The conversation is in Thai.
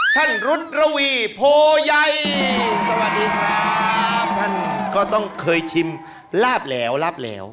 ท่านก็ต้องเคยชิมลาบแหลว